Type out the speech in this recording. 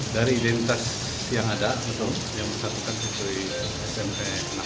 dari identitas yang ada yang bersatu kan siswi smp enam